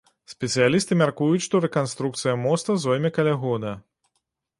Спецыялісты мяркуюць, што рэканструкцыя моста зойме каля года.